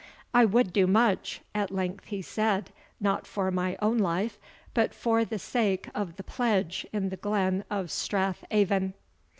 "I would do much," at length he said; "not for my own life, but for the sake of the pledge in the glen of Strath Aven."